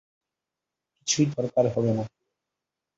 কিছুই দরকার হবে না।